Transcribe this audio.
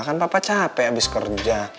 kan papa capek habis kerja